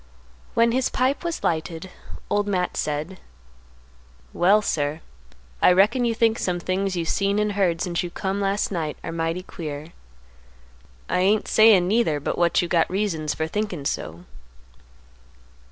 When his pipe was lighted, Old Matt said, "Well, sir, I reckon you think some things you seen and heard since you come last night are mighty queer. I ain't sayin', neither, but what you got reasons for thinkin' so."